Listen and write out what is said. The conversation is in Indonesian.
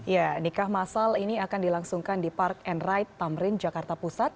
ya nikah masal ini akan dilangsungkan di park and ride tamrin jakarta pusat